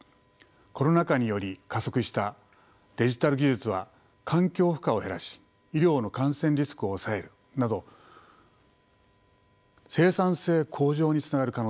コロナ禍により加速したデジタル技術は環境負荷を減らし医療の感染リスクを抑えるなど生産性向上につながる可能性があります。